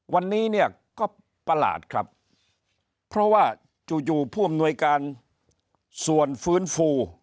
วันนี้เนี่ยก็ประหลาดครับเพราะว่าจู่อยู่ผู้อำนวยการส่วนฟื้นฟู